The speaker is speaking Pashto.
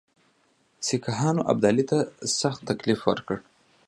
سیکهانو ابدالي ته سخت تکلیف ورکړ.